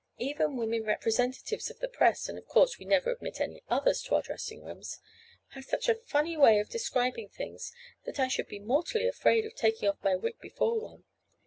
Even women representatives of the press (and of course we never admit any others to our dressing rooms) have such a funny way of describing things that I should be mortally afraid of taking off my wig before one.